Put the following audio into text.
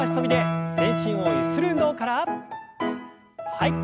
はい。